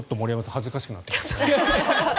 恥ずかしくなってきました。